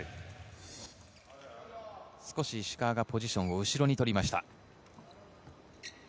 少し石川がポジションを後ろに取りました。